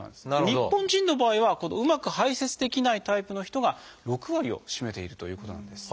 日本人の場合はこのうまく排せつできないタイプの人が６割を占めているということなんです。